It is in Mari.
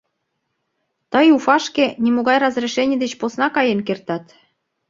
— Тый Уфашке нимогай разрешений деч посна каен кертат.